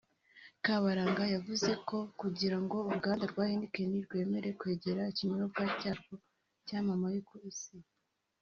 Kabaranga yavuze ko kugira ngo uruganda rwa Heineken rwemere kwengera ikinyobwa cyarwo cyamamaye ku isi